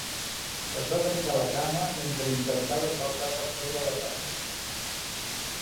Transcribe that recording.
Es va trencar la cama mentre intentava saltar per sobre la paret.